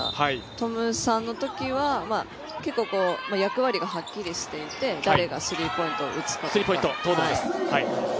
トムさんのときは結構、役割がはっきりしていてスリーポイント東藤です。